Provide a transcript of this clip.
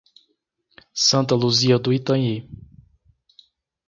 Santa Luzia do Itanhi